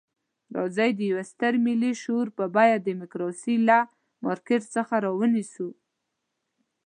راځئ د یوه ستر ملي شعور په بیه ډیموکراسي له مارکېټ څخه رانیسو.